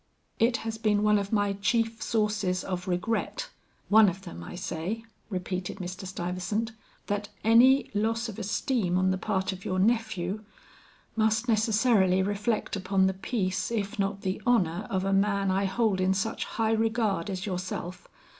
"It has been one of my chief sources of regret one of them I say," repeated Mr. Stuyvesant, "that any loss of esteem on the part of your nephew, must necessarily reflect upon the peace if not the honor of a man I hold in such high regard as yourself.